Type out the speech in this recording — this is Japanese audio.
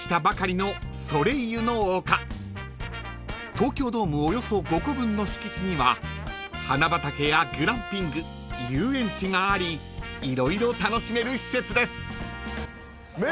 ［東京ドームおよそ５個分の敷地には花畑やグランピング遊園地があり色々楽しめる施設です］